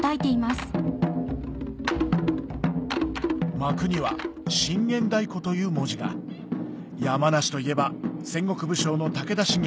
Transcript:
幕には「信玄太鼓」という文字が山梨といえば戦国武将の武田信玄